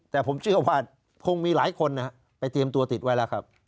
แต่ผมเชื่อว่าคงมีหลายคนนะครับไปเตรียมตัวติดไว้แล้วครับ